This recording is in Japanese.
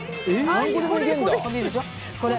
「何個でもいけるんだ！」